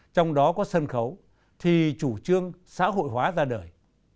trong đó có sân khấu thì chủ trương xã hội hóa ra đời